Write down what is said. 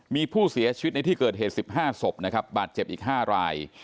มีผู้เสียชีวิตในที่เกิดเหตุ๑๕ศพนะครับบาดเจ็บอีก๕ราย